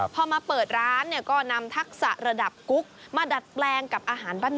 พอมาเปิดร้านเนี่ยก็นำทักษะระดับกุ๊กมาดัดแปลงกับอาหารบ้าน